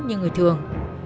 như người thường